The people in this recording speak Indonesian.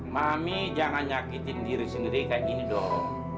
mami jangan nyakitin diri sendiri kayak gini dong